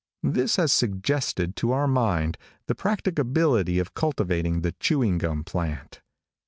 This has suggested to our mind the practicability of cultivating the chewing gum plant.